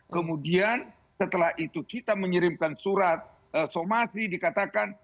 kemudian setelah itu kita mengirimkan surat somasi dikatakan